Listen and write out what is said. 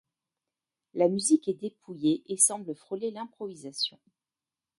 La musique est dépouillée et semble frôler l'improvisation.